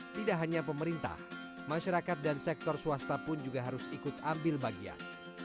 tidak hanya pemerintah masyarakat dan sektor swasta pun juga harus ikut ambil bagian